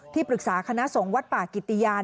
ที่ปรึกษาคณะสงวัดป่ากิตยาน